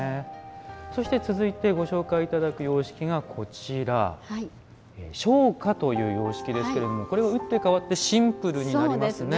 そして、続いてご紹介いただく様式が生花という様式ですがこれは打って変わってシンプルになりますね。